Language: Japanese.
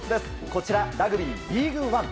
こちら、ラグビーリーグワン。